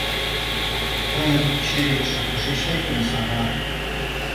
Тыйын черетше кушеч лектын, Сава?